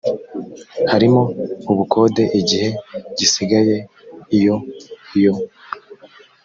harimo ubukode igihe gisigaye iyo iyo